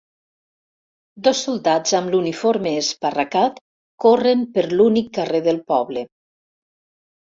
Dos soldats amb l'uniforme esparracat corren per l'únic carrer del poble.